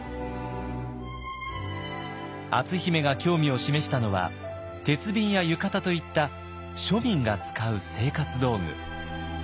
篤姫が興味を示したのは鉄瓶や浴衣といった庶民が使う生活道具。